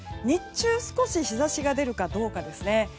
日中、少し日差しが出るかどうかですね。